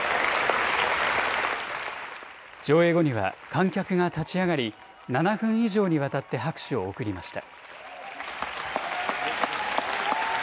上映後には観客が立ち上がり７分以上にわたって拍手を送りました。